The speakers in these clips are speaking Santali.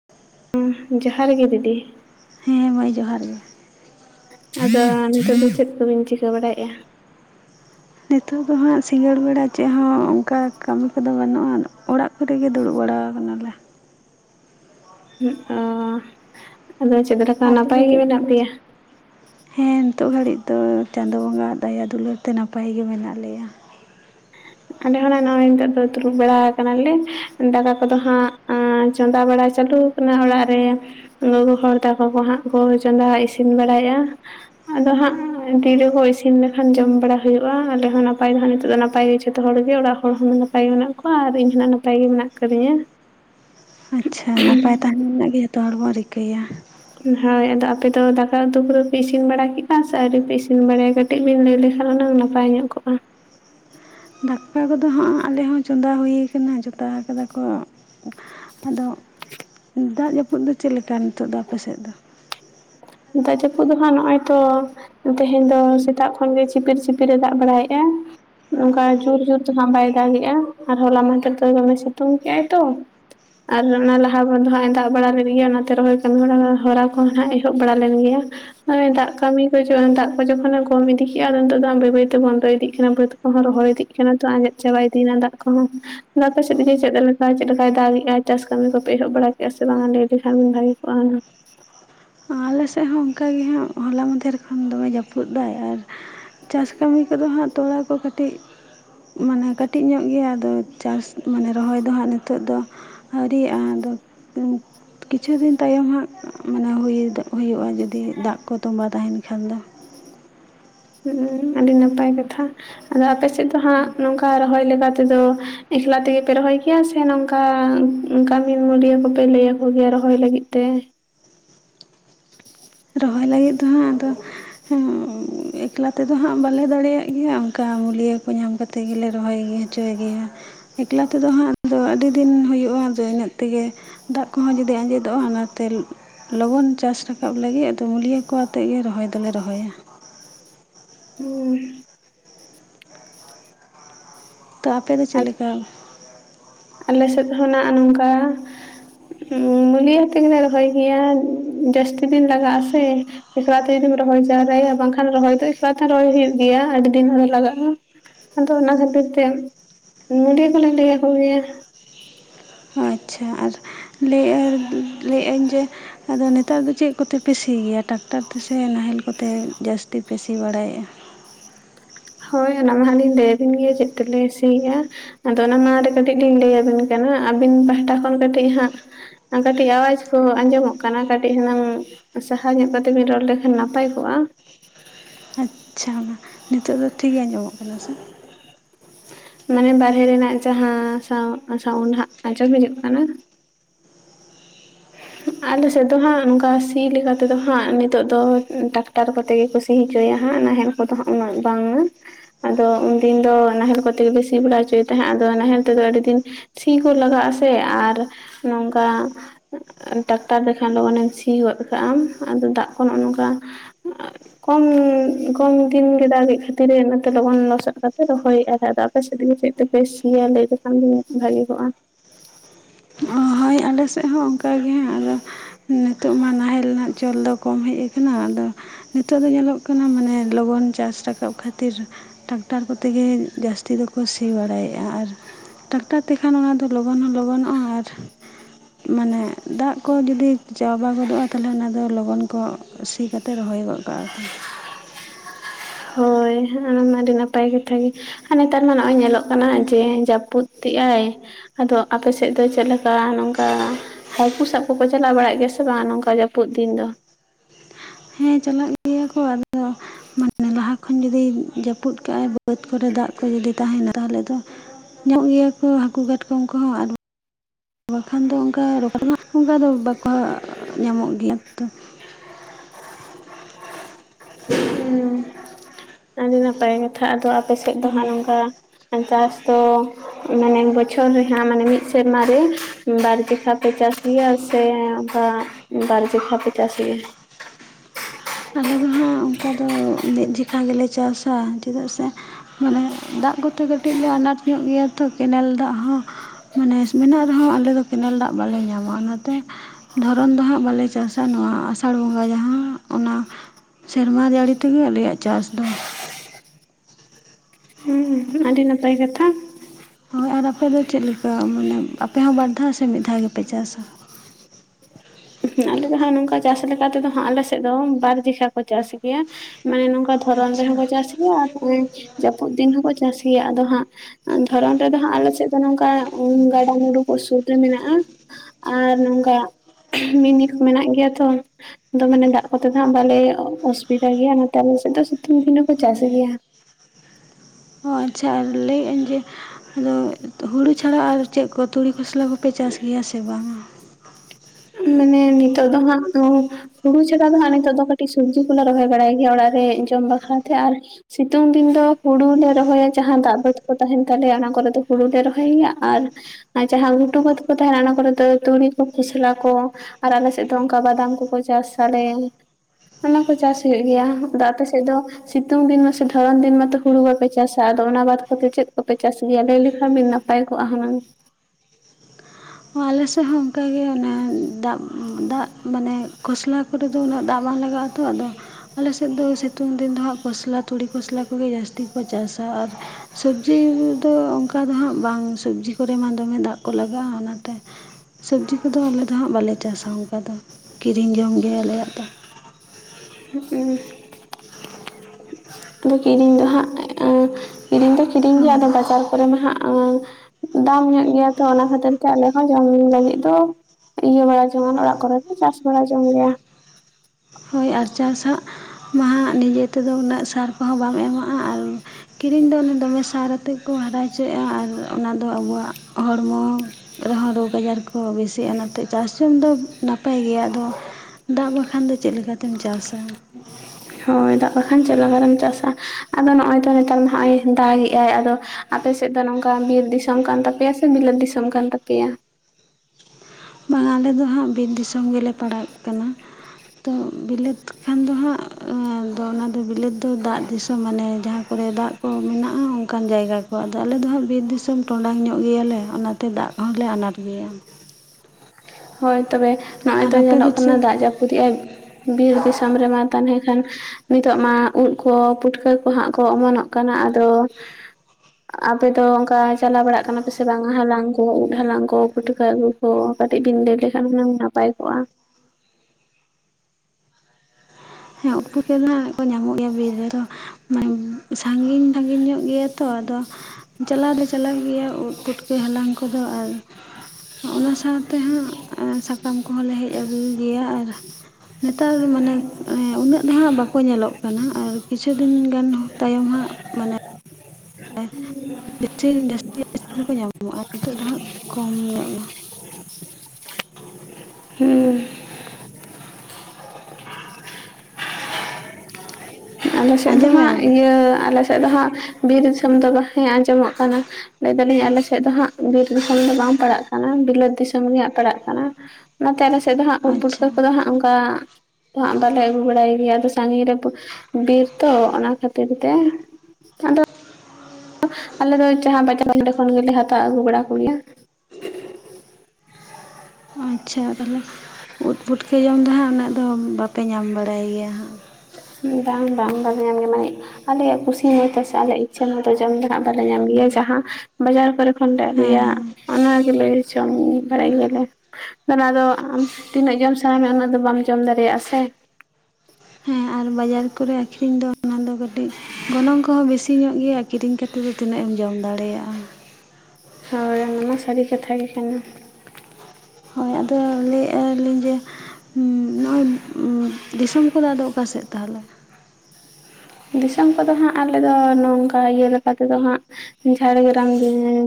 [inaudible] ᱦᱩᱸ ᱡᱚᱦᱟᱨ ᱜᱮ ᱫᱤᱫᱤ ᱦᱮᱸ ᱢᱟ ᱡᱚᱦᱟᱨ ᱜᱮ ᱟᱫᱚ ᱱᱤᱛᱚᱜ ᱫᱚ ᱪᱮᱫ ᱠᱚᱵᱤᱱ ᱪᱤᱠᱟᱹ ᱵᱟᱲᱟ ᱭᱮᱜᱼᱟ? ᱱᱤᱛᱚᱜ ᱫᱚ ᱦᱟᱸᱜ ᱥᱤᱸᱜᱟᱹᱲ ᱵᱮᱲᱟ ᱪᱮᱫ ᱦᱚᱸ ᱚᱝᱠᱟ ᱠᱟᱹᱢᱤ ᱠᱚᱫᱚ ᱵᱟᱹᱱᱩᱜᱼᱟ ᱚᱲᱟᱜ ᱠᱚ ᱨᱮᱜᱮ ᱫᱩᱲᱩᱵ ᱵᱟᱲᱟ ᱠᱟᱱᱟᱞᱮ ᱚᱻ ᱟᱫᱚ ᱪᱮᱫ ᱞᱮᱠᱟ ᱟᱯᱮ ᱱᱟᱯᱟᱭ ᱫᱚ ᱜᱮ ᱪᱮᱫ ᱢᱮᱱᱟᱜ ᱠᱚᱯᱮ ᱪᱤ ᱯᱮᱭᱟ? ᱦᱮᱸ ᱱᱤᱛᱚᱜ ᱜᱷᱟᱹᱲᱤᱡ ᱫᱚ ᱪᱟᱸᱫᱳ ᱵᱚᱸᱜᱟ ᱟᱜ ᱫᱟᱭᱟ ᱫᱩᱞᱟᱹᱲ ᱛᱮ ᱱᱟᱯᱟᱭ ᱜᱮ ᱢᱮᱱᱟᱜ ᱞᱮᱭᱟ᱾ ᱟᱞᱮ ᱦᱚᱸ ᱱᱚᱜᱼᱚᱭ ᱱᱤᱛᱳᱜ ᱫᱚ ᱫᱩᱲᱩᱵ ᱵᱟᱲᱟ ᱟᱠᱟᱱᱟ ᱞᱮ ᱫᱟᱠᱟ ᱠᱚᱫᱚ ᱦᱟᱸᱜ ᱪᱚᱸᱫᱟ ᱵᱟᱲᱟ ᱪᱟᱹᱞᱩ ᱚᱲᱟᱜ ᱨᱮ ᱜᱚᱜᱚ ᱦᱚᱲ ᱛᱟᱠᱚ ᱠᱚ ᱦᱟᱸᱜ ᱠᱚ ᱪᱚᱸᱫᱟ ᱤᱥᱤᱱ ᱵᱟᱲᱟᱭᱮᱜᱼᱟ᱾ ᱟᱫᱚ ᱦᱟᱸᱜ ᱛᱤᱨᱮ ᱠᱚ ᱤᱥᱤᱱ ᱞᱮᱠᱷᱟᱱ ᱡᱚᱢ ᱵᱟᱲᱟ ᱦᱩᱭᱩᱜᱼᱟ ᱟᱞᱮ ᱦᱚᱸ ᱱᱟᱯᱟᱭ ᱫᱚ ᱦᱟᱸᱜ ᱱᱤᱛᱚᱜ ᱫᱚ ᱱᱟᱯᱟᱭ ᱜᱮ ᱡᱚᱛᱼ ᱼᱛᱚ ᱦᱚᱲ ᱜᱮ ᱚᱲᱟᱜ ᱦᱚᱲ ᱦᱚᱸ ᱱᱟᱯᱟᱭ ᱜᱮ ᱢᱮᱱᱟᱜ ᱠᱚᱣᱟ ᱟᱨ ᱤᱧ ᱦᱚᱸ ᱱᱟᱜ ᱱᱟᱯᱟᱭ ᱜᱤ ᱢᱮᱱᱟᱜ ᱟᱠᱟᱫᱤᱧᱟᱹ᱾ ᱟᱪᱪᱷᱟ ᱱᱟᱯᱟᱭ ᱛᱟᱦᱮᱱ ᱨᱮᱱᱟᱜ ᱜᱮ ᱡᱷᱚᱛᱚ ᱦᱚᱲ ᱵᱚᱱ ᱨᱤᱠᱟᱹᱭᱟ᱾ ᱦᱳᱭ ᱟᱫᱚ ᱟᱯᱮ ᱫᱚ ᱫᱟᱠᱟ ᱩᱛᱩ ᱠᱚᱫᱚ ᱯᱮ ᱤᱥᱤᱱ ᱵᱟᱲᱟ ᱠᱮᱫᱟ ᱥᱮ ᱟᱣᱨᱤ ᱯᱮ ᱤᱥᱤᱱ ᱵᱟᱲᱟᱭᱟ? ᱠᱟᱹᱴᱤᱡ ᱵᱤᱱ ᱞᱟᱹᱭ ᱞᱮᱠᱷᱟᱱ ᱦᱩᱹᱝ ᱱᱟᱯᱟᱭ ᱧᱚᱜ ᱠᱚᱜᱼᱟ᱾ ᱫᱟᱠᱟ ᱠᱚᱫᱚ ᱦᱟᱜ ᱟᱞᱮ ᱦᱚᱸ ᱪᱚᱸᱫᱟ ᱦᱩᱭ ᱠᱟᱱᱟ ᱡᱚᱛᱚ ᱪᱚᱸᱫᱟ ᱠᱟᱫᱟ ᱠᱚ ᱟᱫᱚᱜ ᱫᱟᱜ ᱡᱟᱹᱯᱩᱫ ᱫᱚ ᱪᱮᱫ ᱞᱮᱠᱟ ᱱᱤᱛᱚᱜ ᱫᱚ ᱟᱯᱮ ᱥᱮᱫ ᱫᱚ? ᱫᱟᱜ ᱡᱟᱹᱯᱩᱫ ᱫᱚ ᱦᱟᱸᱜ ᱱᱚᱜᱼᱚᱭ ᱛᱚ ᱛᱮᱦᱮᱧ ᱫᱚ ᱥᱮᱛᱟᱜ ᱠᱷᱚᱱ ᱜᱮ ᱪᱷᱤᱯᱤᱨ ᱪᱷᱤᱯᱤᱨ ᱮ ᱫᱟᱜ ᱵᱟᱲᱟᱭᱮᱫᱼᱟ᱾ ᱱᱚᱝᱠᱟ ᱡᱩᱨ ᱡᱩᱨ ᱫᱚ ᱦᱟᱸᱜ ᱵᱟᱭ ᱫᱟᱜᱮᱜᱼᱟ ᱟᱨ ᱦᱚᱞᱟ ᱢᱟᱸᱫᱷᱮᱨ ᱫᱚ ᱫᱚᱢᱮ ᱥᱤᱛᱩᱝ ᱠᱮᱜᱼᱟᱭ ᱛᱚ᱾ ᱟᱨ ᱚᱱᱟ ᱞᱟᱦᱟ ᱵᱟᱨ ᱫᱚ ᱦᱟᱜ ᱮ ᱫᱟᱜ ᱵᱟᱲᱟ ᱞᱮᱫ ᱜᱮᱭᱟ ᱚᱱᱟ ᱛᱮ ᱨᱚᱦᱚᱭ ᱠᱟᱹᱢᱤ ᱦᱚᱨᱟ ᱠᱚ ᱦᱟᱜ ᱮᱦᱚᱵ ᱵᱟᱲᱟ ᱞᱮᱱ ᱜᱮᱭᱟ ᱦᱚᱭ ᱫᱟᱜ ᱠᱟᱹᱢᱤ ᱠᱚ ᱫᱟᱜ ᱠᱚ ᱡᱚᱠᱷᱚᱱᱮ ᱠᱚᱢ ᱤᱫᱤ ᱠᱮᱫᱼᱟ ᱟᱫᱚ ᱱᱤᱛᱚᱜ ᱫᱚ ᱵᱟᱹᱭ ᱵᱟᱹᱭᱛᱮ ᱵᱚᱱᱫᱚ ᱤᱫᱤᱜ ᱠᱟᱱᱟ ᱵᱟᱹᱫᱽ᱾ ᱨᱚᱦᱚᱭ ᱤᱫᱤᱜ ᱠᱟᱱᱟ ᱛᱚ ᱟᱸᱡᱮᱫ ᱪᱟᱵᱟᱭ ᱤᱫᱤᱭᱱᱟ ᱫᱟᱜ ᱠᱚᱦᱚᱸ ᱟᱯᱮ ᱥᱮᱫ ᱜᱮ ᱪᱮᱫ ᱞᱮᱠᱟ? ᱪᱮᱫ ᱞᱮᱠᱟᱭ ᱫᱟᱜᱮᱜᱼᱟ? ᱪᱟᱥ ᱠᱟᱹᱢᱤ ᱠᱚᱯᱮ ᱮᱦᱚᱵ ᱵᱟᱲᱟ ᱠᱮᱜᱼᱟ ᱥᱮ ᱵᱟᱝᱟ? ᱞᱟᱹᱭ ᱞᱮᱠᱷᱟᱱ ᱵᱷᱟᱜᱤ ᱠᱚᱜᱼᱟ᱾ ᱟᱞᱮ ᱥᱮᱜ ᱦᱚᱸ ᱚᱝᱠᱟᱜ ᱜᱮ ᱦᱟᱸᱜ ᱦᱚᱞᱟ ᱢᱟᱸᱫᱷᱮᱨ ᱠᱷᱚᱱ ᱫᱚᱢᱮ ᱡᱟᱹᱯᱩᱫ ᱫᱟᱭ ᱟᱨ ᱪᱟᱥ ᱠᱟᱹᱢᱤ ᱠᱚᱫᱚ ᱦᱟᱸᱜ ᱛᱚᱞᱟ ᱠᱚ ᱠᱟᱹᱴᱤᱡ ᱢᱟᱱᱮ ᱠᱟᱹᱴᱤᱡ ᱧᱚᱜ ᱜᱮᱭᱟ ᱟᱫᱚ ᱪᱟᱥ ᱢᱟᱱᱮ ᱨᱚᱦᱚᱭ ᱫᱚ ᱦᱟᱸᱜ ᱱᱤᱛᱳᱜ ᱫᱚ ᱟᱹᱣᱨᱤᱭᱟᱜᱼᱟ ᱟᱫᱚ ᱠᱤᱪᱷᱩ ᱫᱤᱱ ᱛᱟᱭᱚᱢ ᱦᱟᱸᱜ ᱢᱟᱱᱮ ᱦᱩᱭ ᱫᱚ ᱦᱩᱭᱩᱜᱼᱟ ᱡᱩᱫᱤ ᱫᱟᱜ ᱠᱚ ᱛᱚᱢᱵᱟ ᱛᱟᱦᱮᱱ ᱠᱷᱟᱱ ᱫᱚ᱾ ᱦᱮᱸ ᱟᱹᱰᱤ ᱱᱟᱯᱟᱭ ᱠᱟᱛᱷᱟ᱾ ᱟᱫᱚ ᱟᱯᱮ ᱥᱮᱫ ᱫᱚ ᱦᱟᱸᱜ ᱱᱚᱝᱠᱟ ᱨᱚᱦᱚᱭ ᱞᱮᱠᱟ ᱛᱮᱫᱚ ᱮᱠᱞᱟ ᱛᱮᱜᱮᱯᱮ ᱨᱚᱦᱚᱭ ᱜᱮᱭᱟ ᱥᱮ ᱚᱱᱠᱟ [unintelligible] ᱠᱚᱯᱮ ᱞᱟᱹᱭ ᱟᱠᱚ ᱜᱮᱭᱟ ᱨᱚᱦᱚᱭ ᱞᱟᱹᱜᱤᱫ ᱛᱮ? [inaudible] ᱨᱚᱦᱚᱭ ᱞᱟᱹᱜᱤᱫ ᱫᱚ ᱦᱟᱜ ᱟᱫᱚ ᱮᱠᱞᱟ ᱛᱮᱫᱚ ᱦᱟᱸᱜ ᱵᱟᱞᱮ ᱫᱟᱲᱮᱭᱟᱜ ᱜᱮᱭᱟ ᱚᱱᱠᱟ ᱢᱩᱞᱭᱟᱹ ᱠᱚ ᱧᱟᱢ ᱠᱟ ᱠᱟᱛᱮᱫ ᱜᱮᱞᱮ ᱨᱚᱦᱚᱭ ᱦᱚᱪᱚᱭ ᱜᱮᱭᱟ᱾ ᱮᱠᱞᱟ ᱛᱮᱫᱚ ᱦᱟᱸᱜ ᱟᱫᱚ ᱟᱹᱰᱤ ᱫᱤᱱ ᱦᱩᱭᱩᱜᱼᱟ ᱟᱫᱚ ᱤᱱᱟᱹᱜ ᱛᱮᱜᱮ ᱫᱟᱜ ᱠᱚᱦᱚᱸ ᱡᱩᱫᱤ ᱟᱸᱡᱮᱫᱚᱜᱼᱟ ᱚᱱᱟᱛᱮ ᱞᱚᱜᱚᱱ ᱪᱟᱥ ᱨᱟᱠᱟᱵ ᱞᱮᱜᱮ ᱟᱫᱚ ᱢᱩᱞᱭᱟᱹ ᱠᱚ ᱟᱛᱮᱫ ᱜᱮ ᱨᱚᱦᱚᱭ ᱫᱚᱞᱮ ᱨᱚᱦᱚᱭᱟ᱾ ᱦᱩᱸᱻ ᱛᱟ ᱟᱯᱮ ᱫᱚ ᱟᱨ ᱪᱮᱫ ᱞᱮᱠᱟ? ᱟᱞᱮ ᱥᱮᱫ ᱫᱚ [unintelligible] ᱱᱚᱝᱠᱟ ᱢᱩᱞᱭᱟᱹ ᱛᱮ ᱜᱮᱞᱮ ᱨᱚᱦᱚᱭ ᱜᱮᱭᱟ ᱡᱟᱹᱥᱛᱤ ᱫᱤᱱ ᱞᱟᱜᱟᱜᱼᱟ ᱥᱮ᱾ ᱮᱠᱞᱟ ᱛᱮ ᱡᱩᱫᱤᱢ ᱨᱚᱦᱚᱭ ᱡᱟᱣᱨᱟᱭᱟ ᱵᱟᱝᱠᱷᱟᱱ ᱨᱚᱦᱚᱭ ᱫᱚ ᱮᱠᱞᱟ ᱛᱮ ᱨᱚᱦᱚᱭ ᱦᱩᱭᱩᱜ ᱜᱮᱭᱟ ᱟᱹᱰᱤ ᱫᱤᱱ ᱞᱟᱜᱟᱜᱼᱟ ᱾ ᱟᱫᱚ ᱚᱱᱟ ᱠᱷᱟᱹᱛᱤᱨ ᱛᱮ ᱢᱩᱞᱭᱟᱹ ᱠᱚᱞᱮ ᱞᱟᱹᱭ ᱟᱠᱚ ᱜᱮᱭᱟ ᱟᱪᱪᱷᱟ ᱟᱨ ᱞᱟᱹᱭ ᱞᱟᱹᱭᱮᱫ ᱟᱹᱧ ᱡᱮ ᱟᱫᱚ ᱱᱮᱛᱟᱨ ᱫᱚ ᱪᱮᱫ ᱠᱚᱛᱮ ᱯᱮ ᱥᱤ ᱜᱮᱭᱟ ᱴᱟᱠᱴᱟᱨ ᱛᱮ ᱥᱮ ᱱᱟᱦᱮᱞ ᱠᱚᱛᱮ ᱡᱟᱹᱥᱛᱤ ᱯᱮ ᱥᱤ ᱵᱟᱲᱟᱭᱮᱫᱼᱟ? ᱦᱳᱭ ᱚᱱᱟ ᱢᱟ ᱦᱟᱜ ᱞᱤᱧ ᱞᱟᱹᱭᱟᱵᱤᱱ ᱜᱮᱭᱟ ᱪᱮᱫ ᱛᱮᱞᱮ ᱥᱤᱭᱮᱫᱼᱟ? ᱟᱫᱚ ᱚᱱᱟ ᱢᱟ ᱟᱹᱰᱤ ᱠᱟᱹᱴᱤᱡ ᱞᱤᱧ ᱞᱟᱹᱭ ᱟᱹᱵᱤᱱ ᱠᱟᱱᱟ ᱟᱹᱵᱤᱱ ᱯᱟᱦᱴᱟ ᱠᱷᱚᱱ ᱠᱟᱹᱴᱤᱡ ᱦᱟᱸᱜ ᱠᱟᱹᱴᱤᱡ ᱟᱣᱟᱡ ᱠᱚ ᱟᱸᱡᱚᱢᱚᱜ ᱠᱟᱱᱟ ᱠᱟᱹᱴᱤᱡ ᱦᱩᱱᱟᱹᱝ ᱥᱟᱦᱟ ᱧᱚᱜ ᱠᱟᱛᱮ ᱵᱤᱱ ᱨᱚᱲ ᱞᱮᱠᱷᱟᱱ ᱱᱟᱯᱟᱭ ᱠᱚᱜᱼᱟ ᱟᱪᱪᱷᱟ ᱚᱱᱟ ᱱᱤᱛᱚᱜ ᱫᱚ ᱴᱷᱤᱠ ᱜᱮᱭᱟ ᱟᱧᱡᱚᱢᱚᱜ ᱠᱟᱱᱟ ᱥᱮ? [inaudible] ᱢᱟᱱᱮ ᱵᱟᱨᱦᱮ ᱨᱮᱱᱟᱜ ᱡᱟᱦᱟᱸ ᱥᱟᱶ ᱥᱟᱣᱩᱱᱰ ᱱᱟᱦᱟᱸᱜ ᱟᱸᱡᱚᱢ ᱦᱤᱡᱩᱜ ᱠᱟᱱᱟ [unintelligible] ᱟᱞᱮ ᱥᱮᱫ ᱫᱚ ᱦᱟᱸᱜ ᱱᱚᱝᱠᱟ ᱥᱤ ᱞᱮᱠᱟ ᱛᱮᱫᱚ ᱦᱟᱸᱜ ᱱᱤᱛᱚᱜ ᱫᱚ ᱴᱟᱠᱴᱟᱨ ᱠᱚᱛᱮ ᱜᱮᱠᱚ ᱥᱤ ᱦᱚᱪᱚᱭᱟ ᱦᱟᱸᱜ ᱱᱟᱦᱮᱞ ᱠᱚᱫᱚ ᱦᱟᱸᱜ ᱩᱱᱟᱹᱜ ᱵᱟᱝᱟ ᱟᱫᱚ ᱩᱱᱫᱤᱱ ᱫᱚ ᱱᱟᱦᱮᱞ ᱠᱚᱛᱮ ᱜᱮᱞᱮ ᱥᱤ ᱵᱟᱲᱟ ᱦᱚᱪᱚᱭᱮᱫ ᱛᱟᱦᱮᱸᱫ ᱟᱫᱚ ᱱᱟᱦᱮᱞ ᱛᱮᱫᱚ ᱟᱹᱰᱤ ᱫᱤᱱ ᱥᱤ ᱠᱚ ᱞᱟᱜᱟᱜ-ᱟ ᱥᱮ ᱟᱨ ᱱᱚᱝᱠᱟ ᱴᱟᱠᱴᱟᱨ ᱛᱮᱠᱷᱟᱱ ᱞᱚᱜᱚᱱᱮᱢ ᱥᱤ ᱜᱚᱫ ᱠᱟᱜᱼᱟ ᱟᱢ ᱟᱫᱚ ᱫᱟᱜ ᱠᱚ ᱱᱚᱝᱠᱟ ᱠᱚᱢ ᱠᱚᱢ ᱫᱤᱱᱜᱮ ᱫᱟᱜᱮᱫ ᱠᱷᱟᱹᱛᱤᱨ ᱚᱱᱟᱛᱮ ᱞᱚᱜᱚᱱ ᱞᱚᱥᱚᱫ ᱠᱟᱛᱮ ᱨᱚᱦᱚᱭ ᱮᱫᱟ ᱞᱮ ᱟᱫᱚ ᱟᱯᱮ ᱥᱮᱫ ᱜᱮ ᱪᱮᱫ ᱛᱮᱯᱮ ᱥᱤᱭᱟ ᱞᱟᱹᱭ ᱞᱮᱠᱷᱟᱱ ᱜᱮ ᱵᱷᱟᱹᱜᱤ ᱠᱚᱜᱼᱟ ᱟᱞᱮᱥᱮᱫ ᱦᱚᱸ ᱚᱱᱠᱟ ᱜᱮ ᱦᱟᱜ ᱟᱫᱚ ᱱᱤᱛᱳᱜ ᱢᱟ ᱱᱟᱦᱮᱞ ᱨᱮᱱᱟᱜ ᱪᱚᱞ ᱫᱚ ᱠᱚᱢ ᱦᱮᱡ ᱟᱠᱟᱱᱟ ᱟᱫᱚ ᱱᱤᱛᱚᱜ ᱫᱚ ᱧᱮᱞᱚᱜ ᱠᱟᱱᱟ ᱢᱟᱱᱮ ᱞᱚᱜᱚᱱ ᱪᱟᱥ ᱨᱟᱠᱟᱵ ᱠᱷᱟᱹᱛᱤᱨ ᱴᱟᱠᱴᱟᱨ ᱠᱚᱛᱮ ᱜᱮ ᱡᱟᱹᱥᱛᱤ ᱫᱚᱠᱚ ᱥᱤ ᱵᱟᱲᱟᱭᱮᱫᱼᱟ ᱟᱨ ᱴᱟᱠᱴᱟᱨ ᱛᱮᱠᱷᱟᱱ ᱚᱱᱟ ᱞᱚᱜᱚᱱ ᱦᱚᱸ ᱞᱚᱜᱚᱱᱚᱜᱼᱟ ᱟᱨ ᱢᱟᱱᱮ ᱫᱟᱜ ᱠᱚ ᱡᱩᱫᱤ ᱪᱟᱵᱟ ᱜᱚᱫᱚᱜᱼᱟ ᱛᱟᱦᱚᱞᱮ ᱚᱱᱟ ᱫᱚ ᱞᱚᱜᱚᱱ ᱠᱚ ᱥᱤ ᱠᱟᱛᱮ ᱨᱚᱦᱚᱭ ᱜᱚᱫ ᱠᱟᱜᱼᱟ ᱠᱚ ᱦᱳᱭ ᱚᱱᱟ ᱢᱟ ᱟᱹᱰᱤ ᱱᱟᱯᱟᱭ ᱠᱟᱛᱷᱟ ᱜᱮ ᱟᱨ ᱱᱮᱛᱟᱨ ᱢᱟ ᱱᱚᱜᱼᱚᱭ ᱧᱮᱞᱚᱜ ᱠᱟᱱᱟ ᱡᱮ ᱡᱟᱹᱯᱩᱫ ᱮᱫᱼᱟᱭ ᱟᱫᱚ ᱟᱯᱮ ᱥᱮᱫ ᱫᱚ ᱪᱮᱫ ᱞᱮᱠᱟ ᱱᱚᱝᱠᱟ ᱦᱟᱹᱠᱩ ᱥᱟᱵ ᱠᱚᱠᱚ ᱪᱟᱞᱟᱣ ᱵᱟᱲᱟᱜ ᱜᱮᱭᱟ ᱥᱮ ᱵᱟᱝ ᱱᱚᱝᱠᱟ ᱡᱟᱹᱯᱩᱫ ᱫᱤᱱ ᱫᱚ ᱦᱮᱸ ᱪᱟᱞᱟᱜ ᱜᱮᱭᱟ ᱠᱚ ᱟᱫᱚ [unintelligible] ᱢᱟᱱᱮ ᱞᱟᱦᱟ ᱠᱷᱚᱱ ᱡᱩᱫᱤ ᱡᱟᱹᱯᱩᱫ ᱠᱟᱜᱼ ᱟᱭ ᱵᱟᱹᱫᱽ ᱠᱚᱨᱮ ᱫᱟᱜ ᱠᱚ ᱡᱩᱫᱤ ᱛᱟᱦᱮᱱᱟ ᱛᱟᱦᱚᱞᱮ ᱫᱚ ᱧᱚᱜ ᱜᱮᱭᱟ ᱠᱚ ᱦᱟᱹᱠᱩ ᱠᱟᱴᱠᱚᱢ ᱠᱚ ᱦᱚᱸ ᱟᱨ ᱵᱟᱠᱷᱟᱱ ᱫᱚ ᱚᱱᱠᱟ ᱨᱚᱠᱚᱢ [unintelligible] ᱚᱱᱠᱟ ᱫᱚ ᱵᱟᱠᱚ ᱧᱟᱢᱚᱜ ᱜᱮᱭᱟ ᱛᱚ ᱦᱮᱸ ᱟᱹᱰᱤ ᱱᱟᱯᱟᱭ ᱠᱟᱛᱷᱟ ᱟᱫᱚ ᱟᱯᱮ ᱥᱮᱫ ᱫᱚ ᱦᱟᱸᱜ ᱦᱮᱸ ᱱᱚᱝᱠᱟ ᱟ ᱪᱟᱥ ᱫᱚ ᱢᱟᱱᱮ ᱵᱚᱪᱷᱚᱨ ᱨᱮᱦᱟᱸᱜ ᱢᱟᱱᱮ ᱢᱤᱫ ᱥᱮᱨᱢᱟ ᱨᱮ ᱵᱟᱨ ᱡᱚᱠᱷᱟ ᱯᱮ ᱪᱟᱥ ᱜᱮᱭᱟ ᱥᱮ ᱚᱝᱠᱟ ᱵᱟᱨ ᱡᱮᱠᱷᱟ ᱯᱮ ᱪᱟᱥ ᱜᱮᱭᱟ ᱟᱞᱮ ᱫᱚ ᱦᱟᱸᱜ ᱚᱱᱠᱟ ᱫᱚ ᱢᱤᱫ ᱡᱚᱠᱷᱟ ᱜᱮᱞᱮ ᱪᱟᱥᱟ ᱪᱮᱫᱟᱜ ᱥᱮ ᱢᱟᱱᱮ ᱫᱟᱜ ᱠᱚᱛᱮ ᱠᱟᱹᱴᱤᱡ ᱞᱮ ᱟᱱᱟᱴ ᱧᱚᱜ ᱜᱮᱭᱟ ᱛᱚ ᱠᱮᱱᱮᱞ ᱫᱟᱜ ᱦᱚᱸ ᱢᱟᱱᱮ ᱢᱮᱱᱟᱜ ᱨᱮᱦᱚᱸ ᱟᱞᱮ ᱫᱚ ᱠᱮᱱᱮᱞ ᱫᱟᱜ ᱵᱟᱞᱮ ᱧᱟᱢᱟ ᱚᱱᱟᱛᱮ ᱫᱷᱚᱨᱚᱱ ᱫᱚ ᱦᱟᱸᱜ ᱵᱟᱞᱮ ᱪᱟᱥᱟ ᱱᱚᱣᱟ ᱟᱥᱟᱲ ᱵᱚᱸᱜᱟ ᱡᱟᱦᱟᱸ ᱚᱱᱟ ᱥᱮᱨᱢᱟ ᱡᱟᱹᱲᱤ ᱛᱮᱜᱮ ᱟᱞᱮᱭᱟᱜ ᱪᱟᱥ ᱫᱚ [unintelligible] ᱦᱩᱸ ᱟᱹᱰᱤ ᱱᱟᱯᱟᱭ ᱠᱟᱛᱷᱟ ᱦᱳᱭ ᱟᱨ ᱟᱯᱮ ᱫᱚ ᱪᱮᱫ ᱞᱮᱠᱟ ᱢᱟᱱᱮ ᱟᱯᱮ ᱦᱚᱸ ᱵᱟᱨ ᱫᱷᱟᱣ ᱥᱮ ᱢᱤᱫ ᱫᱷᱟᱣ ᱜᱮᱯᱮ ᱪᱟᱥᱟ ᱟᱞᱮ ᱫᱚ ᱦᱟᱜ ᱱᱚᱝᱠᱟ ᱪᱟᱥ ᱞᱮᱠᱟ ᱛᱮᱫᱚᱜ ᱟᱞᱮ ᱥᱮᱫ ᱫᱚ ᱵᱟᱨ ᱡᱤᱠᱷᱟ ᱠᱚ ᱪᱟᱥ ᱜᱮᱭᱟ ᱢᱟᱱᱮ ᱱᱚᱝᱠᱟ ᱫᱷᱚᱨᱚᱱ ᱟᱪᱪᱷᱟ ᱨᱮᱦᱚᱸ ᱠᱚ ᱪᱟᱥ ᱜᱮᱭᱟ ᱠᱩ ᱡᱟᱹᱯᱩᱫ ᱫᱤᱱ ᱦᱚᱸᱠᱚ ᱪᱟᱥ ᱜᱮᱭᱟ ᱟᱫᱚ ᱦᱟᱸᱜ ᱫᱷᱚᱨᱚᱱ ᱨᱮᱫᱚ ᱦᱟᱸᱜ ᱟᱞᱮ ᱥᱮᱫ ᱫᱚ ᱱᱚᱝᱠᱟ ᱜᱟᱰᱟᱼᱢᱩᱰᱩ ᱠᱚ ᱥᱩᱨ ᱨᱮ ᱢᱮᱱᱟᱜᱼᱟ ᱟᱨ ᱱᱚᱝᱠᱟ ᱢᱤᱱᱤ ᱠᱚ ᱢᱮᱱᱟᱜ ᱜᱮᱭᱟ ᱛᱚ ᱟᱫᱚ ᱢᱟᱱᱮ ᱫᱟᱜ ᱠᱚᱛᱮ ᱫᱚ ᱦᱟᱸᱟᱜ ᱵᱟᱞᱮ ᱚᱥᱩᱵᱤᱫᱟ ᱜᱮᱭᱟ ᱚᱱᱟᱛᱮ ᱟᱞᱮᱥᱮᱫ ᱫᱚ ᱥᱤᱩᱛᱩᱝ ᱫᱤᱱᱹ ᱦᱚᱠᱚ ᱪᱟᱥ ᱜᱮᱭᱟ ᱚ ᱟᱪᱪᱷᱟ ᱞᱟᱹᱭᱮᱫ ᱟᱹᱧ ᱡᱮ ᱟᱫᱚ ᱦᱩᱲᱩ ᱪᱷᱟᱲᱟ ᱟᱨ ᱪᱮᱫ ᱠᱚ ᱛᱩᱲᱤ ᱠᱷᱚᱥᱞᱟ ᱠᱚᱯᱮ ᱪᱟᱥ ᱜᱮᱭᱟ ᱥᱮ ᱵᱟᱝᱟ ᱢᱟᱱᱮ ᱱᱤᱛᱚᱜ ᱫᱚ ᱦᱟᱸᱜ ᱟᱫᱚ ᱦᱩᱲᱩ ᱪᱷᱟᱲᱟ ᱫᱚ ᱦᱟᱸᱜ ᱱᱤᱛᱚᱜ ᱫᱚ ᱠᱟᱹᱴᱤᱡ ᱥᱚᱵᱽᱡᱤ ᱠᱚᱞᱮ ᱨᱚᱦᱚᱭ ᱵᱟᱲᱟᱭ ᱜᱮᱭᱟ ᱚᱲᱟᱜ ᱨᱮ ᱡᱚᱢ ᱵᱟᱠᱷᱨᱟ ᱛᱮ ᱟᱨ ᱥᱤᱛᱩᱝ ᱫᱤᱱ ᱫᱚ ᱦᱩᱲᱩ ᱞᱮ ᱨᱚᱦᱚᱭᱟ ᱡᱟᱦᱟᱸ ᱫᱟᱜ ᱵᱟᱹᱫ ᱠᱚ ᱛᱟᱦᱮᱱ ᱛᱟᱞᱮᱭᱟ ᱚᱱᱟ ᱠᱚᱨᱮ ᱫᱚ ᱦᱩᱲᱩᱞ ᱞᱮ ᱨᱚᱦᱚᱭ ᱜᱮᱭᱟ ᱟᱨ ᱟᱨ ᱡᱟᱦᱟᱸ ᱜᱩᱴᱩ ᱵᱟᱹᱫᱽ ᱠᱚ ᱛᱟᱷᱮᱱᱟ ᱚᱱᱟ ᱠᱚᱨᱮ ᱫᱚ ᱛᱩᱲᱤ ᱠᱚ ᱠᱷᱚᱥᱞᱟ ᱠᱚ ᱟᱨ ᱟᱞᱮ ᱥᱮᱫ ᱫᱚ ᱚᱱᱠᱟ ᱵᱟᱫᱟᱢ ᱠᱚᱠᱚ ᱪᱟᱥ ᱟᱞᱮ ᱚᱱᱟ ᱠᱚ ᱪᱟᱥ ᱦᱩᱭᱩᱜ ᱜᱮᱭᱟ ᱟᱫᱚ ᱟᱯᱮ ᱥᱮᱫ ᱫᱚ ᱥᱤᱛᱩᱝ ᱫᱤᱱ ᱢᱟᱥᱮ ᱫᱷᱚᱨᱚᱱ ᱫᱤᱱ ᱢᱟᱛᱚ ᱦᱩᱲᱩ ᱵᱟᱯᱮ ᱪᱟᱥᱟ ᱟᱫᱚ ᱚᱱᱟ ᱵᱟᱫ ᱠᱟᱛᱮᱫ ᱪᱮᱫ ᱠᱚᱯᱮ ᱪᱟᱥ ᱜᱮᱭᱟ ᱞᱟᱹᱭ ᱞᱮᱠᱷᱟᱱ ᱵᱤᱱ ᱱᱟᱯᱟᱭ ᱱᱟᱯᱟᱭ ᱠᱚᱜᱼᱟ ᱦᱩᱱᱟᱹᱝ ᱟᱞᱮ ᱥᱮᱫ ᱦᱚᱸ ᱚᱱᱠᱟᱜ ᱜᱮ ᱚᱱᱮ ᱫᱟᱜ ᱫᱟᱜ ᱢᱟᱱᱮ ᱠᱷᱚᱥᱞᱟ ᱠᱚᱨᱮ ᱫᱚ ᱩᱱᱟᱹᱜ ᱫᱟᱜ ᱵᱟᱝ ᱞᱟᱜᱟᱜᱼᱟ ᱛᱚ ᱟᱫᱚ ᱟᱞᱮ ᱥᱮᱫ ᱫᱚ ᱥᱤᱛᱩᱝ ᱫᱤᱱ ᱫᱚ ᱦᱟᱸᱜ ᱠᱷᱚᱥᱞᱟ ᱛᱩᱲᱤ ᱠᱚᱚᱥᱞᱟ ᱠᱚ ᱜᱮ ᱡᱟᱹᱥᱛᱤ ᱠᱚ ᱪᱟᱥᱟ ᱟᱨ ᱥᱚᱵᱽᱡᱤ ᱫᱚ ᱚᱱᱠᱟ ᱫᱚ ᱦᱟᱸᱜ ᱵᱟᱝ ᱥᱚᱵᱽᱡᱤ ᱠᱚ ᱢᱟ ᱫᱚᱢᱮ ᱫᱟᱜ ᱠᱚ ᱞᱟᱜᱟᱜᱼᱟ ᱚᱱᱟᱛᱮ ᱥᱚᱵᱽᱡᱤ ᱠᱚᱫᱚ ᱟᱞᱮ ᱫᱚ ᱦᱟᱸᱜ ᱵᱟᱞᱮ ᱪᱟᱥᱟ ᱚᱱᱠᱟ ᱫᱚ ᱠᱤᱨᱤᱧ ᱡᱚᱢ ᱜᱮ ᱟᱞᱮᱭᱟᱜ ᱫᱚ ᱩ ᱟᱫᱚ ᱠᱤᱨᱤᱧ ᱫᱚ ᱦᱟᱸᱜ ᱠᱤᱨᱤᱧ ᱫᱚ ᱠᱤᱨᱤᱧ ᱜᱮᱭᱟ ᱦᱚᱸ ᱟᱫᱚ ᱵᱟᱡᱟᱨ ᱠᱚᱨᱮ ᱢᱟ ᱦᱟᱸᱜ ᱫᱟᱢ ᱧᱚᱜ ᱜᱮᱭᱟ ᱛᱚ ᱚᱱᱟ ᱠᱷᱟᱹᱛᱤᱨ ᱛᱮ ᱟᱞᱮ ᱦᱚᱸ ᱡᱚᱢ ᱞᱟᱹᱜᱤᱫ ᱫᱚ ᱤᱭᱟᱹ ᱵᱟᱲᱟ ᱡᱚᱝ ᱚᱲᱟᱜ ᱠᱚᱨᱮ ᱪᱟᱥ ᱵᱟᱲᱟ ᱡᱚᱝ ᱜᱮᱭᱟ ᱦᱳᱭ ᱟᱨ ᱪᱟᱥᱟᱜ ᱢᱟ ᱦᱟᱜ ᱱᱤᱡᱮ ᱛᱮᱫᱚ ᱩᱱᱟᱹᱜ ᱥᱟᱨ ᱠᱚᱦᱚᱸ ᱵᱟᱢ ᱮᱢᱟᱜᱼᱟ ᱟᱨ ᱠᱤᱨᱤᱧ ᱫᱚ ᱫᱚᱢᱮ ᱥᱟᱨ ᱟᱛᱮᱫ ᱠᱚ ᱦᱟᱨᱟ ᱦᱚᱪᱚᱭᱮᱫᱼᱟ ᱟᱨ ᱚᱱᱟᱫᱚ ᱟᱵᱚᱣᱟᱜ ᱦᱚᱲᱢᱚ ᱨᱮᱦᱚᱸ ᱨᱳᱜᱽ ᱟᱡᱟᱨ ᱠᱚ ᱵᱮᱥᱤᱜᱼᱟ ᱚᱱᱟᱛᱮ ᱪᱟᱥ ᱡᱚᱢ ᱫᱚ ᱱᱟᱯᱟᱭ ᱜᱮᱭᱟ ᱟᱫᱚ ᱫᱟᱜ ᱵᱟᱠᱷᱟᱱ ᱫᱚ ᱪᱮᱫ ᱞᱮᱠᱟᱛᱮᱢ ᱪᱟᱥᱟ ᱦᱳᱭ ᱫᱟᱜ ᱵᱟᱠᱷᱟᱱ ᱪᱮᱫ ᱞᱮᱠᱟ ᱨᱮᱢ ᱪᱟᱥᱟ ᱟᱫᱚ ᱱᱚᱜᱼᱚᱭ ᱛᱚ ᱱᱮᱛᱟᱨ ᱢᱟ ᱱᱚᱜᱼᱭ ᱫᱟᱜ ᱮᱜᱼ ᱟᱭ ᱟᱫᱚ ᱟᱯᱮ ᱥᱮᱫ ᱫᱚ ᱱᱚᱝᱠᱟ ᱵᱤᱨ ᱫᱤᱥᱚᱢ ᱠᱟᱱ ᱛᱟᱯᱮᱭᱟ ᱥᱮ ᱵᱤᱞᱟᱹᱛ ᱫᱤᱥᱚᱢ ᱠᱟᱱ ᱛᱟᱯᱮᱭᱟ? ᱟᱞᱮᱫ ᱫᱚ ᱦᱟᱸᱜ ᱵᱤᱨ ᱫᱤᱥᱚᱢ ᱜᱮᱞᱮ ᱯᱟᱲᱟᱜ ᱠᱟᱱᱟ ᱛᱚ ᱵᱤᱞᱟᱹᱛ ᱠᱷᱟᱱ ᱫᱚ ᱦᱟᱸᱜ ᱚᱱᱟ ᱵᱤᱞᱟᱹᱛ ᱫᱚ ᱫᱟᱜ ᱫᱤᱥᱚᱢ ᱢᱟᱱᱮ ᱡᱟᱦᱟᱸ ᱠᱚᱨᱮ ᱫᱟᱜ ᱠᱚ ᱢᱮᱱᱟᱜᱼᱟ ᱚᱱᱠᱟᱱ ᱡᱟᱭᱜᱟ ᱠᱚ ᱟᱫᱚ ᱟᱞᱮ ᱫᱚ ᱦᱟᱸᱜ ᱵᱤᱨ ᱫᱤᱥᱚᱢ ᱴᱚᱸᱰᱟᱝ ᱧᱚᱜ ᱜᱮᱭᱟᱞᱮ ᱚᱱᱟᱛᱮ ᱫᱟᱜ ᱦᱚᱸᱞᱮ ᱟᱱᱟᱴ ᱜᱮᱭᱟ ᱦᱳᱭ ᱛᱚᱵᱮ ᱱᱚᱜᱼᱚᱭ ᱟᱨ ᱛᱚ ᱟᱯᱮ ᱫᱚ ᱧᱮᱞᱚᱜ ᱠᱟᱱᱟ ᱪᱮᱫ ᱫᱟᱜ ᱡᱟᱹᱯᱩᱫᱮᱜ ᱟᱭ ᱵᱤᱨ ᱫᱤᱥᱚᱢ ᱨᱮᱢᱟ ᱛᱟᱞᱦᱮ ᱠᱷᱟᱱ ᱱᱤᱛᱚᱜ ᱢᱟ ᱩᱫ ᱠᱚ ᱯᱩᱴᱠᱟᱹ ᱠᱚ ᱦᱟᱸᱜ ᱠᱚ ᱚᱢᱚᱱᱚᱜ ᱠᱟᱱᱟ ᱟᱫᱚ ᱟᱯᱮᱫᱚ ᱚᱱᱠᱟ ᱪᱟᱞᱟᱣ ᱵᱟᱲᱟᱜ ᱠᱟᱱᱟ ᱯᱮ ᱥᱮ ᱵᱟᱝ ᱦᱟᱞᱟᱝ ᱠᱚ ᱩᱫ ᱦᱟᱞᱟᱝ ᱠᱚ ᱯᱩᱴᱠᱟᱹ ᱟᱹᱜᱩ ᱠᱚ ᱠᱟᱹᱴᱤᱡ ᱵᱤᱱ ᱞᱟᱹᱭ ᱞᱮᱠᱷᱟᱱ ᱦᱩᱱᱟᱹᱝ ᱱᱟᱯᱟᱭ ᱠᱚᱜᱼᱟ ᱦᱮᱸ ᱩᱯᱩᱠ ᱨᱮᱱᱟᱜ [unintelligible] ᱠᱚ ᱧᱟᱢᱚᱜ ᱜᱮᱭᱟ ᱵᱤᱨ ᱨᱮᱫᱚ ᱢᱟᱱᱮ᱾ ᱥᱟᱺᱜᱤᱧ ᱥᱟᱺᱜᱤᱧ ᱧᱚᱜ ᱜᱮᱭᱟ ᱛᱚ ᱟᱫᱚ ᱪᱟᱞᱟᱣ ᱫᱚ ᱪᱟᱞᱟᱜ ᱜᱮᱭᱟ ᱳᱫ ᱯᱩᱴᱠᱟᱹ ᱦᱟᱞᱟᱝ ᱠᱚ᱾ ᱫᱚ ᱟᱨ᱾ ᱚᱱᱟ ᱥᱟᱶᱛᱮ ᱦᱟᱜᱸ ᱥᱟᱠᱟᱢ ᱠᱚᱦᱚᱸᱞᱮ ᱦᱮᱡ ᱟᱹᱜᱩᱭ ᱜᱮᱭᱟ ᱟᱨ᱾ ᱱᱮᱛᱟᱨ [unintelligible] ᱢᱟᱱᱮ᱾ ᱮᱸ ᱩᱱᱟᱹᱜ ᱫᱚ ᱦᱟᱸᱜ ᱵᱟᱠᱚ ᱧᱮᱞᱚᱜ ᱠᱟᱱᱟ ᱟᱨ ᱠᱤᱪᱷᱩ ᱫᱤᱱ ᱜᱟᱱ ᱛᱟᱭᱚᱢ ᱦᱟᱸᱜ ᱢᱟᱱᱮ᱾ ᱡᱤᱫᱴᱦᱮᱱ ᱡᱟᱹᱥᱛᱤ ᱡᱟᱹᱥᱛᱤ ᱨᱮᱠᱚ [unintelligible] ᱧᱟᱢᱚᱜᱼᱟ ᱱᱤᱛᱚᱜ ᱫᱚ ᱦᱟᱸᱜ ᱠᱚᱢ ᱧᱚᱜᱼᱟ [inaudible] ᱦᱮᱸ᱾ ᱟᱞᱮ ᱥᱮᱫ ᱫᱚ ᱦᱟᱸᱜ ᱟᱸᱡᱚᱢᱮᱜᱼᱟ ᱤᱭᱟᱹ ᱟᱞᱮ ᱥᱮᱫ ᱫᱚ ᱦᱟᱸᱜ ᱵᱤᱨ ᱫᱤᱥᱚᱢ ᱫᱚ ᱵᱟᱝ᱾ ᱦᱮᱸ ᱟᱸᱡᱚᱢᱚᱜ ᱠᱟᱱᱟ᱾ ᱢᱮᱱᱟᱹᱭ ᱫᱟᱞᱤᱧ ᱟᱞᱮ ᱥᱮᱫ ᱫᱚ ᱦᱟᱸᱜ ᱵᱤᱨ ᱫᱤᱥᱚᱢ ᱫᱚ ᱵᱟᱝ ᱯᱟᱲᱟᱜ ᱠᱟᱱᱟ ᱵᱤᱞᱟᱹᱛ ᱫᱤᱥᱚᱢ ᱜᱮ ᱦᱟᱸᱜ ᱯᱟᱲᱟᱜ ᱠᱟᱱᱟ ᱚᱱᱟᱛᱮ ᱟᱞᱮ ᱥᱮᱫ ᱫᱚ ᱦᱟᱸᱜ ᱩᱫ ᱟᱪᱪᱷᱟ ᱯᱩᱴᱠᱟᱹ ᱠᱚᱫᱚ ᱦᱟᱸᱜ ᱚᱱᱠᱟ, ᱫᱚ ᱦᱟᱸᱜ ᱵᱟᱞᱮ ᱟᱹᱜᱩ ᱵᱟᱲᱟᱭ ᱜᱮᱭᱟ ᱟᱫᱚ ᱥᱟᱹᱜᱤᱧ ᱨᱮ ᱯᱚ, ᱵᱤᱨ ᱛᱚ ᱚᱱᱟ ᱠᱷᱟᱹᱛᱤᱨ ᱛᱮ ᱟᱫᱚ᱾ ᱟᱞᱮ ᱫᱚ ᱡᱟᱦᱟᱸ ᱵᱟᱡᱟ [unintelligible] ᱚᱸᱰᱮ ᱠᱷᱚᱱ ᱜᱮᱞᱮ ᱦᱟᱛᱟᱣ ᱟᱹᱜᱩ ᱵᱟᱲᱟ ᱠᱚᱜᱮᱭᱟ᱾ ᱟᱪᱪᱷᱟ ᱛᱟᱦᱚᱞᱮ᱾ ᱩᱫ ᱯᱩᱴᱠᱟᱹ ᱡᱚᱢ ᱫᱚ ᱦᱟᱸᱜ ᱩᱱᱟᱹᱜ ᱫᱚ ᱵᱟᱯᱮ ᱧᱟᱢ ᱵᱟᱲᱟᱭ ᱜᱮᱭᱟ ᱦᱟᱸᱜ᱾ ᱵᱟᱝ ᱵᱟᱝ ᱵᱟᱞᱮ ᱧᱟᱢ ᱜᱮᱭᱟ ᱢᱟᱱᱮ, ᱟᱞᱮᱭᱟᱜ ᱠᱩᱥᱤ ᱢᱚᱛᱚ ᱥᱮ ᱟᱞᱮᱭᱟᱜ ᱤᱪᱪᱷᱟᱹ ᱢᱚᱛᱚ ᱡᱚᱢ ᱫᱚ ᱦᱟᱸᱜ ᱵᱟᱞᱮ ᱧᱟᱢ ᱜᱮᱭᱟ ᱡᱟᱦᱟᱸ ᱵᱟᱡᱟᱨ ᱠᱚᱨᱮ᱾ ᱚᱱᱰᱟ [unintelligible] ᱦᱮᱸ ᱟᱹᱜᱩᱭᱟ ᱦᱮᱸ ᱚᱱᱟ ᱜᱮᱞᱮ ᱡᱚᱢ ᱵᱟᱲᱟᱭ ᱜᱮᱭᱟ ᱞᱮ᱾ ᱚᱱᱟ ᱫᱚ ᱟᱢ ᱛᱤᱱᱟᱹᱜ ᱡᱚᱢ ᱥᱟᱱᱟ ᱢᱮᱭᱟ ᱩᱱᱟᱹᱜ ᱫᱚ ᱵᱟᱢ ᱡᱚᱢ ᱫᱟᱨᱮᱭᱟᱜᱼᱟ ᱥᱮ᱾ ᱦᱮᱸ ᱟᱨ ᱵᱟᱡᱟᱨ ᱠᱚᱨᱮ ᱟᱠᱠᱷᱨᱤᱧ ᱫᱚ ᱚᱱᱟ ᱫᱚ ᱠᱟᱹᱴ᱾ ᱴᱤᱡ ᱜᱚᱱᱚᱝ ᱠᱚᱦᱚᱸ ᱵᱤᱥᱤ ᱧᱚᱜ ᱜᱮᱭᱟ ᱠᱤᱨᱤᱧ ᱠᱟᱛᱮᱫ ᱫᱚ ᱛᱤᱱᱟᱹᱜ ᱮᱢ ᱡᱚᱢ ᱫᱟᱲᱮᱭᱟᱜᱼᱟ᱾ ᱦᱳᱭ ᱚᱱᱟᱢᱟ ᱥᱟᱹᱨᱤ ᱠᱟᱛᱷᱟ ᱜᱮ ᱠᱟᱱᱟ᱾ ᱦᱳᱭ ᱟᱫᱚ ᱞᱮᱭᱮᱜᱼᱟ ᱞᱤᱧ ᱡᱮ᱾ ᱦᱩᱸ᱾ ᱱᱚᱜᱼᱚᱭ ᱫᱤᱥᱚᱢ ᱠᱚᱫᱚ ᱟᱫᱚ ᱚᱠᱟ ᱥᱮᱫ ᱛᱟᱦᱚᱞᱮ? ᱫᱤᱥᱚᱢ ᱠᱚᱫᱚ ᱦᱟᱸᱜ ᱟᱞᱮ ᱫᱚ ᱱᱚᱝᱠᱟ ᱤᱭᱟᱹ ᱞᱮᱠᱟ ᱛᱮ ᱫᱚ ᱦᱟᱸᱜ᱾ ᱡᱷᱟᱲᱜᱨᱟᱢ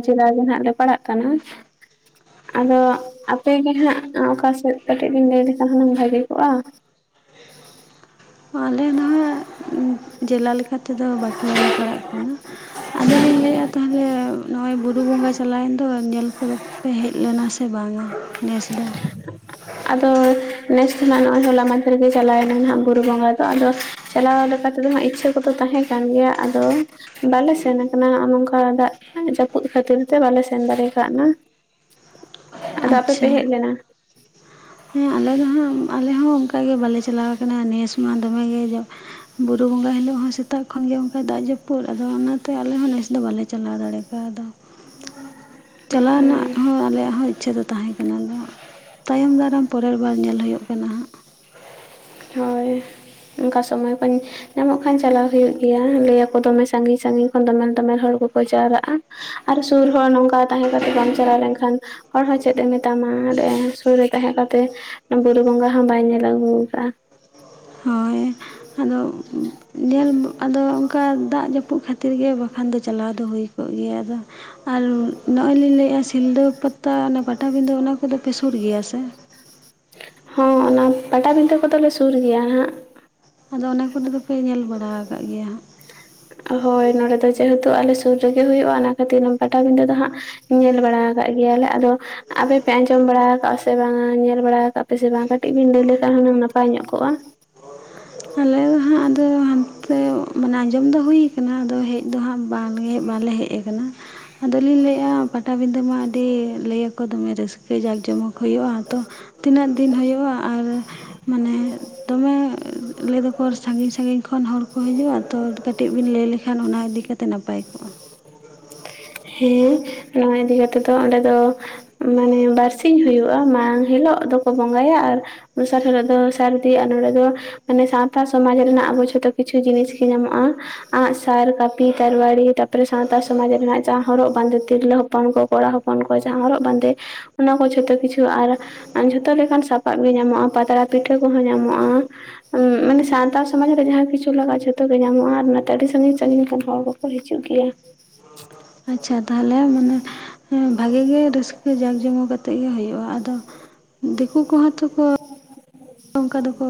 ᱡᱮᱞᱟ ᱨᱮ‌ ᱱᱟᱦᱟᱜ ᱞᱮ ᱯᱟᱲᱟᱜ ᱠᱟᱱᱟ᱾ ᱟᱫᱚ ᱟᱯᱮ ᱜᱮ ᱦᱟᱸᱜ ᱚᱠᱟ ᱥᱮᱫ? ᱠᱟᱹᱴᱤᱡ ᱵᱮᱱ ᱞᱟᱹᱭ ᱞᱮᱠᱷᱟᱱ ᱦᱩᱱᱟᱹᱝ ᱵᱷᱟᱹᱜᱤ ᱠᱚᱜᱼᱟ᱾ ᱟᱞᱮ ᱱᱟᱦᱟᱜ ᱡᱮᱞᱟ ᱞᱮᱠᱟᱛᱮ ᱫᱚ ᱵᱟᱸᱠᱩᱲᱟ ᱞᱮ ᱯᱟᱲᱟᱜ ᱠᱟᱱᱟ᱾ ᱟᱫᱚᱞᱤᱧ ᱞᱟᱹᱭᱮᱫ-ᱟ ᱛᱟᱦᱚᱞᱮ ᱱᱚᱜ-ᱚᱭ ᱵᱩᱨᱩ ᱵᱚᱸᱜᱟ ᱪᱟᱞᱟᱣᱮᱱ ᱫᱚ ᱧᱮᱞ ᱠᱚᱫᱚ᱾ ᱯᱮ ᱦᱮᱡ ᱞᱮᱱᱟ ᱥᱮ ᱵᱟᱝ-ᱟ ᱱᱮᱥ ᱫᱚ᱾ ᱟᱫᱚ ᱱᱮᱥ ᱫᱚ ᱱᱟᱦᱟᱸᱜ ᱱᱚᱜ-ᱚᱭ ᱦᱚᱞᱟ ᱢᱟᱫᱷᱮᱨ ᱜᱮ ᱪᱟᱞᱟᱣᱮᱱᱟ ᱱᱟᱦᱟᱜ ᱵᱩᱨᱩ ᱵᱚᱸᱜᱟ᱾ ᱛᱚ ᱟᱫᱚ ᱪᱟᱞᱟᱣ ᱞᱮᱠᱟ ᱛᱮᱫᱚ ᱦᱟᱸᱜ ᱤᱪᱪᱷᱟᱹ ᱠᱚᱫᱚ ᱛᱟᱦᱮᱸ ᱠᱟᱱ ᱜᱮᱭᱟ ᱟᱫᱚ᱾ ᱵᱟᱞᱮ ᱥᱮᱱ ᱟᱠᱟᱱᱟ ᱦᱚᱸᱜ-ᱚ ᱱᱚᱝᱠᱟ ᱫᱟᱜ ᱡᱟᱹᱯᱩᱫ ᱠᱷᱟᱹᱛᱤᱨ ᱛᱮ ᱵᱟᱞᱮ ᱥᱮᱱ ᱫᱟᱲᱮ ᱠᱟᱜ ᱱᱟ᱾ ᱟᱫᱚ ᱟᱯᱮ ᱯᱮ ᱟᱪᱪᱷᱟ ᱦᱮᱡ ᱞᱮᱱᱟ? ᱦᱮᱸ ᱟᱞᱮ ᱫᱚᱜ ᱦᱟᱸᱜ ᱟᱞᱮ ᱦᱚᱸ ᱚᱱᱠᱟᱜᱮ ᱵᱟᱞᱮ ᱪᱟᱞᱟᱣ ᱠᱟᱱᱟ ᱱᱤᱭᱟᱹ ᱥᱚᱢᱟ ᱫᱚᱢᱮᱜ ᱜᱮ ᱡᱟ᱾ ᱵᱩᱨᱩ ᱵᱚᱸᱜᱟ ᱦᱤᱞᱳᱜ ᱦᱚᱸ ᱥᱮᱛᱟᱜ ᱠᱷᱚᱱᱜᱮ ᱚᱱᱠᱟ ᱫᱟᱜ ᱡᱟᱹᱯᱩᱫ᱾ ᱟᱫᱚ ᱚᱱᱟᱛᱮ ᱟᱞᱮ ᱦᱚᱸ ᱱᱮᱥ ᱫᱚ ᱵᱟᱞᱮ ᱪᱟᱞᱟᱣ ᱫᱟᱲᱮᱠᱟᱣ ᱫᱟ᱾ [unintelligible] ᱪᱟᱞᱟᱣ ᱨᱮᱱᱟᱜ ᱦᱚᱸ ᱟᱞᱮᱭᱟᱜ ᱦᱚᱸ ᱤᱪᱪᱷᱟᱹ ᱫᱚ ᱛᱟᱦᱮᱸ ᱠᱟᱱᱟ ᱟᱫᱚ ᱛᱟᱭᱚᱢ ᱫᱟᱨᱟᱢ᱾ ᱯᱚᱨᱮᱨ ᱵᱟᱨ ᱧᱮᱞ ᱦᱳᱭᱳᱜ ᱠᱟᱱᱟ ᱦᱟᱸᱜ᱾ ᱦᱳᱭ ᱚᱱᱠᱟ ᱥᱚᱢᱚᱭ ᱠᱩᱧ᱾ ᱧᱟᱢᱚᱜ ᱠᱷᱟᱱ ᱪᱟᱞᱟᱣ ᱦᱩᱭᱩᱜ ᱜᱮᱭᱟ ᱞᱟᱹᱭᱟᱠᱚ ᱫᱚᱢᱮ ᱥᱟᱺᱜᱤᱧ ᱥᱟᱺᱜᱤᱧ ᱠᱷᱚᱱ ᱫᱚᱢᱮᱞ ᱫᱚᱢᱮᱞ ᱦᱚᱲ ᱠᱚᱠᱚ ᱡᱟᱣᱨᱟᱜ-ᱟ᱾ ᱟᱨ ᱥᱩᱨ ᱦᱚᱲ ᱱᱚᱝᱠᱟ ᱛᱟᱦᱮᱸ ᱠᱟᱛᱮ ᱵᱟᱢ ᱪᱟᱞᱟᱣ ᱞᱮᱱᱠᱷᱟᱱ᱾ ᱦᱚᱲ ᱦᱚᱸ ᱪᱮᱫ ᱮ ᱢᱮᱛᱟᱢᱟ ᱱᱚᱰᱮ ᱥᱩᱨ ᱨᱮ ᱛᱟᱦᱮᱸ ᱠᱟᱛᱮᱫ᱾ ᱵᱩᱨᱩ ᱵᱚᱸᱜᱟ ᱦᱚᱸ ᱵᱟᱭ ᱧᱮᱞ ᱟᱹᱜᱩ ᱟᱠᱟᱜ-ᱟ᱾ ᱦᱳᱭ ᱟᱫᱚ ᱧᱮᱞ ᱟᱫᱚ ᱚᱱᱠᱟ ᱫᱟᱜ ᱡᱟᱹᱯᱩᱫ ᱠᱷᱟᱹᱛᱤᱨ ᱜᱮ ᱵᱟ ᱵᱟᱠᱷᱟᱱ ᱫᱚ ᱪᱟᱞᱟᱣ ᱫᱚ ᱦᱩᱭ ᱠᱚᱜ ᱜᱮᱭᱟ ᱟᱫᱚ᱾ ᱟᱨ ᱱᱚᱜ-ᱚᱭ ᱞᱤᱧ ᱞᱟᱹᱭᱮᱫ-ᱟ ᱥᱤᱞᱫᱟᱹ ᱯᱟᱛᱟ ᱚᱱᱮ ᱯᱟᱴᱟᱵᱤᱱᱫᱟᱹ ᱚᱱᱟ ᱠᱚᱫᱚ ᱯᱮ ᱥᱩᱨ ᱜᱮᱭᱟ ᱥᱮ ᱦᱚᱸ ᱚᱱᱟ ᱯᱟᱴᱟᱵᱤᱱᱫᱟᱹ ᱠᱚᱫᱚ ᱞᱮ ᱥᱩᱨ ᱜᱮᱭᱟ ᱦᱟᱸᱜ ᱟᱫᱚ ᱚᱱᱟ ᱠᱚ ᱫᱚ ᱫᱚᱯᱮ ᱧᱮᱞ ᱵᱟᱲᱟ ᱟᱠᱟᱫ ᱜᱮᱭᱟ ᱦᱟᱸᱜ ᱦᱳᱭ ᱱᱚᱸᱰᱮ ᱫᱚ ᱡᱮᱦᱮ ᱛᱩ ᱟᱞᱮ ᱥᱩᱨ ᱨᱮᱜᱮ ᱦᱩᱭᱩᱜ-ᱟ ᱚᱱᱟ ᱠᱷᱟᱹᱛᱤᱨ ᱯᱟᱴᱟᱵᱤᱱᱫᱟᱹ ᱫᱚ ᱦᱟᱸᱜ ᱧᱮᱞ ᱵᱟᱲᱟ ᱠᱟᱜ ᱜᱮᱭᱟᱞᱮ ᱟᱫᱚ ᱟᱯᱮ ᱯᱮ ᱟᱸᱡᱚᱢ ᱵᱟᱲᱟ ᱟᱠᱟᱟᱜ-ᱟ ᱥᱮ ᱵᱟᱝᱟ ᱧᱮᱞ ᱵᱟᱲᱟ ᱠᱟᱜ ᱯᱮ ᱥᱮ ᱵᱟᱝ ᱠᱟᱹᱴᱤᱡ ᱵᱤᱱ ᱞᱟᱹᱭ ᱞᱮᱠᱷᱟᱱ ᱦᱩᱱᱟᱹᱝ ᱱᱟᱯᱟᱭ ᱧᱚᱜ ᱠᱚᱜ-ᱟ ᱟᱞᱮ ᱫᱚ ᱦᱟᱸᱜ ᱟᱫᱚ ᱦᱟᱱ ᱛᱮ ᱢᱟᱱᱮ ᱟᱸᱡᱚᱢ ᱫᱚ ᱦᱩᱭ ᱠᱟᱱᱟ ᱟᱫᱚ ᱦᱮᱡ ᱫᱚ ᱦᱟᱸᱜ ᱵᱟᱝ ᱜᱮ ᱵᱟ ᱞᱮ ᱦᱮᱡ ᱟᱠᱟᱱᱟ ᱟᱫᱚ ᱞᱤᱧ ᱞᱟᱹᱭᱮᱜ-ᱟ ᱯᱟᱴᱟᱵᱤᱱᱫᱟᱹ ᱢᱟ ᱟᱹᱰᱤ ᱞᱟᱹᱭ ᱟᱠᱚ ᱫᱚᱢᱮ ᱨᱟᱹᱥᱠᱟᱹ ᱡᱟᱠ ᱡᱚᱢᱚᱠ ᱦᱩᱭᱩᱜ-ᱟ ᱛᱚ ᱛᱤᱱᱟᱹᱜ ᱫᱤᱱ ᱦᱩᱭᱩᱜ-ᱟ ᱟᱨ ᱢᱟᱱᱮ ᱫᱚᱢᱮ ᱞᱟᱹᱭ ᱫᱚᱠᱚ ᱥᱟᱺᱜᱤᱧ ᱥᱟᱺᱜᱤᱧ ᱠᱷᱚᱱ ᱦᱚᱲ᱾ ᱠᱚ ᱦᱤᱡᱩᱜ-ᱟ ᱛᱚ ᱠᱟᱹᱴᱤᱡ ᱵᱤᱱ ᱞᱟᱹᱭ ᱞᱮᱠᱷᱟᱱ ᱚᱱᱟ ᱤᱫᱤ ᱠᱟᱛᱮ ᱱᱟᱯᱟᱭ ᱠᱚᱜ-ᱟ᱾ ᱦᱮᱸ ᱱᱚᱣᱟ ᱤᱫᱤ ᱠᱟᱛᱮᱜ ᱫᱚ ᱚᱸᱰᱮ ᱫᱚ ᱢᱟᱱᱮ ᱵᱟᱨᱥᱤᱧ ᱦᱩᱭᱩᱜ-ᱟ ᱦᱤᱞᱳᱜ ᱫᱚᱠᱚ ᱵᱚᱸᱜᱟᱭᱟ ᱟᱨ ᱫᱚᱥᱟᱨ ᱦᱤᱞᱳᱜ ᱫᱚ ᱥᱟᱨᱫᱤ ᱟ ᱱᱚᱸᱰᱮ ᱫᱚ ᱢᱟᱱᱮ ᱥᱟᱶᱛᱟ ᱥᱚᱢᱟᱡᱽ ᱨᱮᱱᱟᱜ ᱟᱵᱚ ᱡᱷᱚᱛᱚ ᱠᱤᱪᱷᱩ ᱡᱤᱱᱤᱥ ᱜᱮ ᱧᱟᱢᱚᱜ-ᱟ ᱟᱸᱜ ᱥᱟᱨ ᱠᱟᱹᱯᱤ ᱛᱟᱨ ᱣᱟᱨᱤ ᱛᱟ ᱯᱚᱨᱮ ᱥᱟᱶᱛᱟ ᱥᱚᱢᱟᱡᱽ ᱨᱮᱱᱟᱜ ᱡᱟᱦᱟᱸ ᱦᱚᱨᱚᱜ ᱵᱟᱸᱫᱮ ᱛᱤᱨᱞᱟᱹ ᱦᱚᱯᱚᱱ ᱠᱚ ᱠᱚᱲᱟ ᱦᱚᱯᱚᱱ ᱠᱚ ᱡᱟᱦᱟᱸ ᱦᱚᱨᱚᱜ ᱵᱟᱸᱫᱮ ᱚᱱᱟ ᱠᱚ ᱡᱷᱚᱛᱚ ᱠᱤᱪᱷᱩ ᱟᱨ ᱟᱨ ᱡᱷᱚᱛᱚ ᱞᱮᱠᱟᱱ ᱥᱟᱯᱟᱵ ᱜᱮ ᱧᱟᱢᱚᱜ-ᱟ ᱯᱟᱛᱲᱟ ᱯᱤᱴᱷᱟᱹ ᱠᱚᱦᱚᱸ ᱧᱟᱢᱚᱜ-ᱟ ᱢᱟᱱᱮ ᱥᱟᱶᱛᱟ ᱥᱚᱢᱟᱡᱽ ᱨᱮ ᱡᱟᱦᱟᱸ ᱠᱤᱪᱷᱩ ᱞᱟᱜᱟᱜᱟ ᱡᱷᱚᱛᱚ ᱜᱮ ᱧᱟᱢᱚᱜ-ᱟ ᱟᱨ ᱚᱱᱟᱛᱮ ᱟᱹᱰᱤ ᱥᱟᱸᱜᱤᱧ ᱥᱟᱸᱜᱤᱧ ᱨᱮᱱ ᱦᱚᱲ ᱠᱚ ᱠᱚ ᱦᱤᱡᱩᱜ ᱜᱮᱭᱟ ᱟᱪᱪᱷᱟ ᱛᱟᱞᱮ ᱢᱟᱱᱮ ᱵᱷᱟᱹᱜᱮ ᱜᱮ ᱨᱟᱹᱥᱠᱟᱹ ᱡᱟᱸᱠ ᱡᱚᱢᱚᱠ ᱟᱛᱮᱜ ᱜᱮ ᱦᱳᱭᱳᱜ-ᱟ ᱟᱫᱚ ᱫᱤᱠᱩ ᱠᱚᱦᱚᱸ ᱛᱚ ᱠᱚ ᱚᱱᱠᱟ ᱫᱚ ᱠᱚ